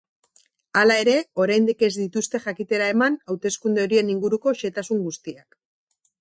Hala ere, oraindik ez dituzte jakitera eman hauteskunde horien inguruko xehetasun guztiak.